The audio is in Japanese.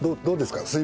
どうですか？